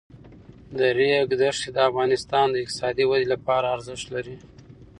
د ریګ دښتې د افغانستان د اقتصادي ودې لپاره ارزښت لري.